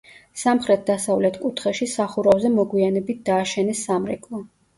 სამხრეთ-დასავლეთ კუთხეში სახურავზე მოგვიანებით დააშენეს სამრეკლო.